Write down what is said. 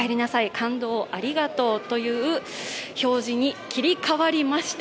感動をありがとうという表示に切り替わりました。